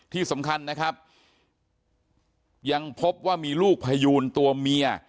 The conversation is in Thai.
ที่สำคัญนะครับยังพบว่ามีลูกพยูนตัวเมีย